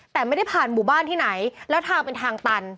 แต่ไม่ได้ผ่านหมู่บ้านที่ไหนแล้วทางเป็นทางตัน